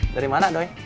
dari mana doi